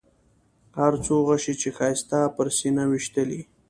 هر څو غشي چې ښایسته پر سینه ویشتلي.